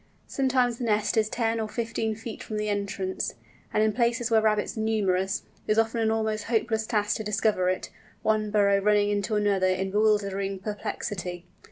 Sometimes the nest is ten or fifteen feet from the entrance, and in places where rabbits are numerous, it is often an almost hopeless task to discover it, one burrow running into another in bewildering perplexity.